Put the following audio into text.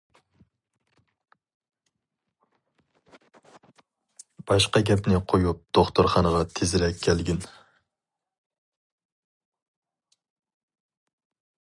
باشقا گەپنى قويۇپ دوختۇرخانىغا تېزرەك كەلگىن!